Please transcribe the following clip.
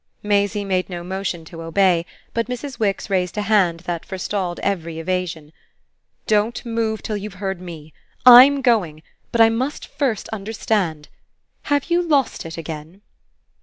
Maisie made no motion to obey, but Mrs. Wix raised a hand that forestalled every evasion. "Don't move till you've heard me. I'M going, but I must first understand. Have you lost it again?"